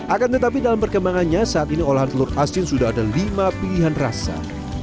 akan tetapi dalam perkembangannya saat ini olahan telur asin sudah ada lima pilihan rasa